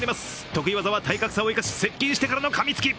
得意技を体格差を生かし接近してからのかみつき。